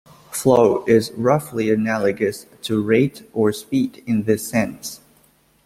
Flow is roughly analogous to rate or speed in this sense.